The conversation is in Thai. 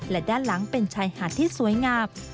และด้านหลังเป็นชายหาดที่สวยงาม